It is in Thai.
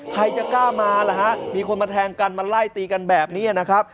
ใครจะกล้ามาล่ะฮะมีคนมาแทงกันมาไล่ตีกันแบบนี้นะครับ